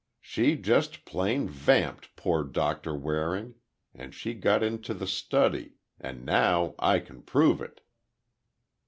"She just plain vamped poor Doctor Waring—and she got into the study—and, now, I can prove it!"